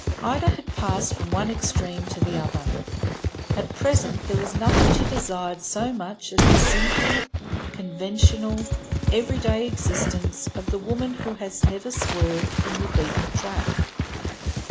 Ida had passed from one extreme to the other. At present there was nothing she desired so much as the simple, conventional, every day existence of the woman who has never swerved from the beaten track.